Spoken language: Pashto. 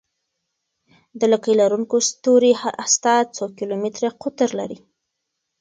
د لکۍ لرونکي ستوري هسته څو کیلومتره قطر لري.